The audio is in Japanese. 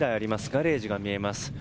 ガレージが見えます。